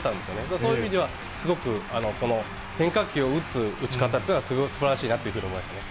そういう意味では、すごくこの変化球を打つ打ち方っていうのは、すばらしいなって思いましたね。